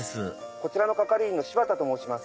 こちらの係員の柴田と申します。